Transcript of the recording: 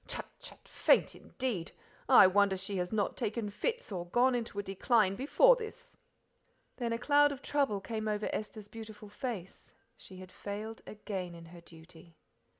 Chut, chut! faint indeed I wonder she has not taken fits or gone into a decline before this." Then a cloud of trouble came over Esther's beautiful face she had failed again in her duty.